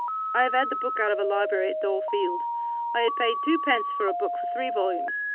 I have had the book out of a library at Dole Field. I had paid two pence a book for three volumes.